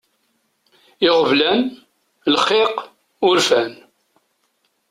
Iɣeblan, lxiq, urfan.